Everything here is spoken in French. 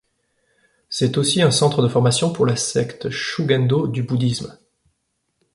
C'est aussi un centre de formation pour la secte shugendō du bouddhisme.